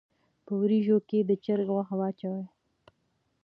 په وريژو کښې د چرګ غوښه واچوه